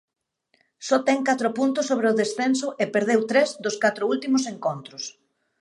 Só ten catro puntos sobre o descenso e perdeu tres dos catro últimos encontros.